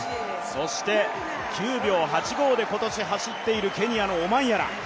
そして９秒８５で今年走ってるケニアのオマンヤラ。